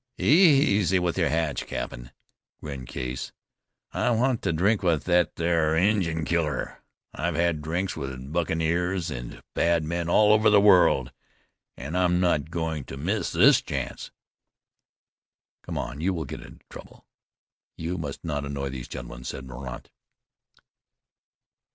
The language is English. "Easy with your hatch, cap'n," grinned Case. "I want to drink with that ther' Injun killer. I've had drinks with buccaneers, and bad men all over the world, and I'm not going to miss this chance." "Come on; you will get into trouble. You must not annoy these gentlemen," said Mordaunt.